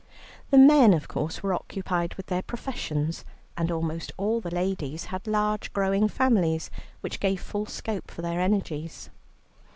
The men, of course, were occupied with their professions, and almost all the ladies had large growing families, which gave full scope for their energies.